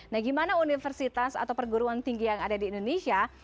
nah gimana universitas atau perguruan tinggi yang ada di indonesia